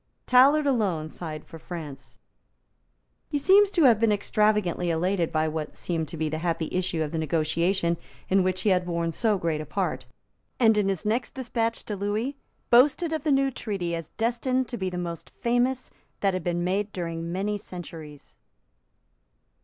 Tallard alone signed for France. He seems to have been extravagantly elated by what seemed to be the happy issue of the negotiation in which he had borne so great a part, and in his next despatch to Lewis boasted of the new treaty as destined to be the most famous that had been made during many centuries.